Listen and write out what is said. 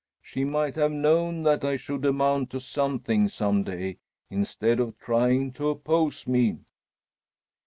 She might have known that I should amount to something some day, instead of trying to oppose me!"